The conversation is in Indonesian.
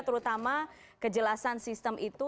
terutama kejelasan sistem itu